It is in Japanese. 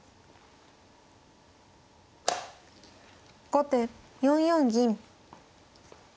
後手４四銀。